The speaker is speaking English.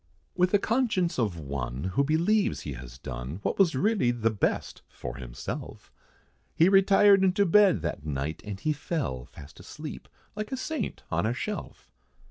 With the conscience of one, who believes he has done, What was really the best, for himself, He retired into bed, that night, and he fell Fast asleep, like a saint on a shelf.